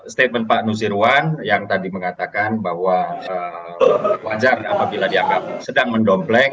statement pak nusirwan yang tadi mengatakan bahwa wajar apabila dianggap sedang mendompleng